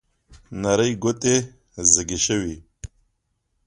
نرۍ ګوتې زیږې شوې